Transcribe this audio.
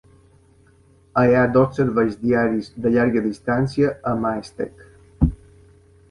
Hi ha dos serveis diaris de llarga distància a Maesteg.